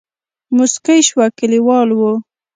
موسکۍ شوه کليوال وو.